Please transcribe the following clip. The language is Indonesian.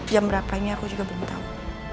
jam berapa ini aku juga belum tahu